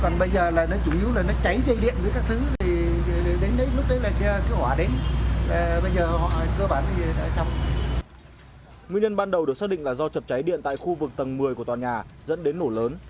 nguyên nhân ban đầu được xác định là do chập cháy điện tại khu vực tầng một mươi của tòa nhà dẫn đến nổ lớn